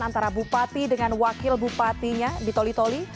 antara bupati dengan wakil bupatinya di toli toli